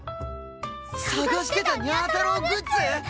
探してたにゃ太郎グッズ！